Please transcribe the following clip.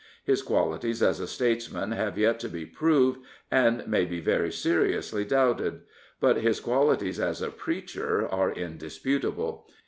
His qualities as a statesman have yet to be proved, and may be very seriously doubted. But his qualities as a preacher are indisputable.